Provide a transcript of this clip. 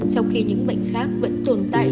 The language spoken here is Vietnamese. trong khi những bệnh khác vẫn tồn tại